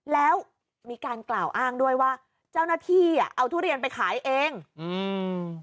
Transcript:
แล้วมีการกล่าวอ้างด้วยว่าเจ้าหน้าที่อ่ะเอาทุเรียนไปขายเองอืม